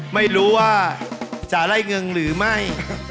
ไม่รู้ว่าจะไล่เงินหรือไม่